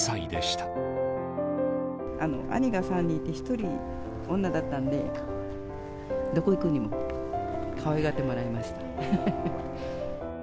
兄が３人いて、１人女だったんで、どこ行くにも、かわいがってもらいました。